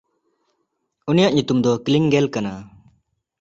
ᱩᱱᱤᱭᱟᱜ ᱧᱩᱛᱩᱢ ᱫᱚ ᱠᱞᱤᱱᱜᱮᱞ ᱠᱟᱱᱟ᱾